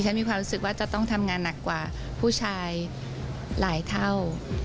มีความรู้สึกว่าจะต้องทำงานหนักกว่าผู้ชายหลายเท่า